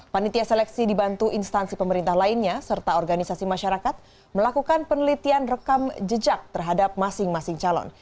panitia seleksi dibantu instansi pemerintah lainnya serta organisasi masyarakat melakukan penelitian rekam jejak terhadap masing masing calon